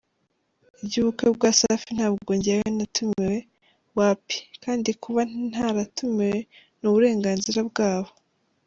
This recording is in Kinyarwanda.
Iby’ubukwe bwa Safi ntabwo njyewe natumiwe, wapi! Kandi kuba ntaratumiwe ni uburenganzira bwabo.